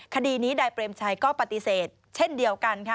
คดีนี้นายเปรมชัยก็ปฏิเสธเช่นเดียวกันค่ะ